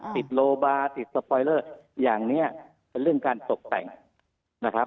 ติดโลบาร์ติดสปอยเลอร์อย่างนี้เป็นเรื่องการตกแต่งนะครับ